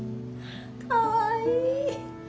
かわいい。